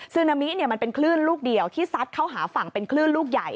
นามิมันเป็นคลื่นลูกเดียวที่ซัดเข้าหาฝั่งเป็นคลื่นลูกใหญ่